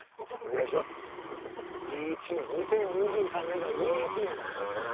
いい一年２０２３年がいい一年になりますように。